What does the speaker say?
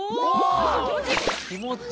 気持ちいい。